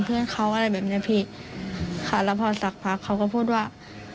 เพื่อนเขาอะไรแบบเนี้ยพี่ค่ะแล้วพอสักพักเขาก็พูดว่า